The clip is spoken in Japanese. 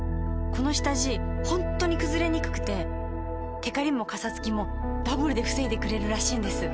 この下地ホントにくずれにくくてテカリもカサつきもダブルで防いでくれるらしいんです。